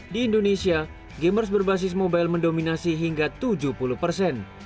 di indonesia gamers berbasis mobile mendominasi hingga tujuh puluh persen